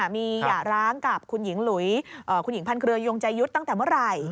มีหย่าร้างกับคุณหญิงหลุยคุณหญิงพันเครือยงใจยุทธ์ตั้งแต่เมื่อไหร่